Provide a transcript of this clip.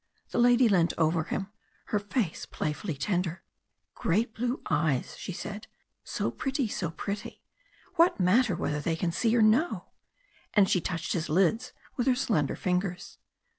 The lady leant over him, her face playfully tender. "Great blue eyes!" she said. "So pretty, so pretty! What matter whether they can see or no?" And she touched his lids with her slender fingers.